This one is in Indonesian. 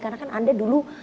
karena kan anda dulu